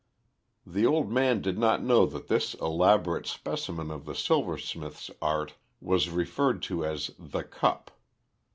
The old man did not know that this elaborate specimen of the silversmith's art was referred to as the "Cup."